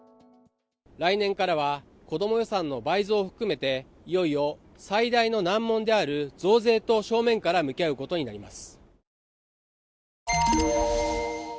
来年からは子供予算の倍増を含めていよいよ最大の難問である増税と正面から向き合うことになります。